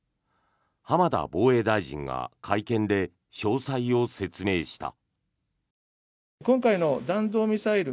浜田防衛大臣が会見で詳細を説明した。